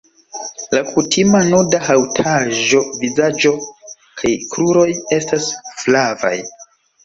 La kutima nuda haŭtaĵo vizaĝo kaj kruroj estas flavaj.